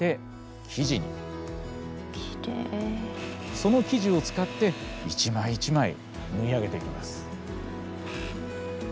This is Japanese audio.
その生地を使って一枚一枚縫い上げていきます。